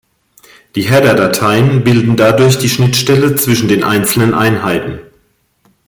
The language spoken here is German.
Die Header-Dateien bilden dadurch die Schnittstelle zwischen den einzelnen Einheiten.